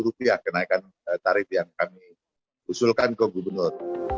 rp kenaikan tarif yang kami usulkan ke gubernur